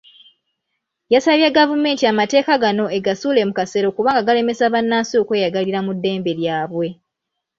Yasabye gavumenti amateeka gano egasuule mu kasero kubanga galemesa bannansi okweyagalira mu ddembe lyabwe.